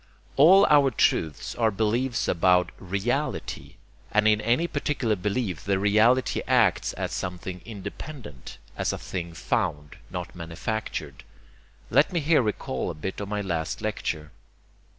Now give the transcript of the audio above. All our truths are beliefs about 'Reality'; and in any particular belief the reality acts as something independent, as a thing FOUND, not manufactured. Let me here recall a bit of my last lecture.